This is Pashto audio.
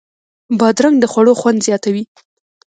بادرنګ د خوړو خوند زیاتوي.